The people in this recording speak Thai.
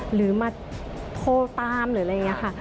หรือมาโทรตามหรืออะไรอย่างนี้ค่ะ